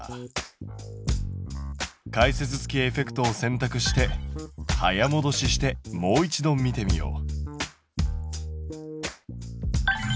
解説付きエフェクトを選択して早もどししてもう一度見てみよう。